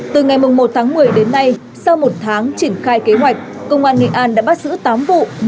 từ ngày một tháng một mươi đến nay sau một tháng triển khai kế hoạch công an nghệ an đã bắt giữ tám vụ